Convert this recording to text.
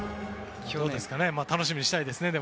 楽しみにしたいですね。